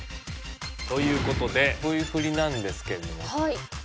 という事でＶ振りなんですけれども。